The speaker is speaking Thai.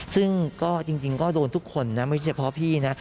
ซึ่งก็จริงก็โดนทุกคนนะไม่ใช่เพราะพี่นะ